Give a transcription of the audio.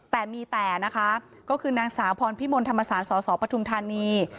แต่มีแต่นะคะก็คือนางสาวพรพิมลธรรมศาลสสปทุมธานี